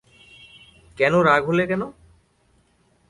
কেন রাগ হলে কেন?